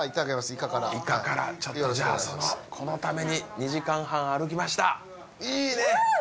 イカからイカからちょっとじゃあそのこのために２時間半歩きましたいいね！